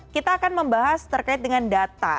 kita akan membahas terkait dengan data